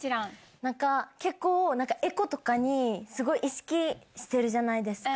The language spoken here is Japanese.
なんか、結構、エコとかに、意識してるじゃないですか。